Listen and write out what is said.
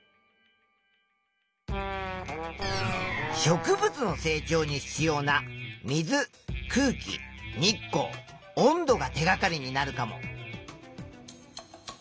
植物の成長に必要な水空気日光温度が手がかりになるかも。